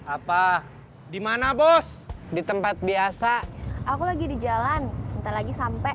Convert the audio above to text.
apa dimana bos di tempat biasa aku lagi di jalan sebentar lagi sampai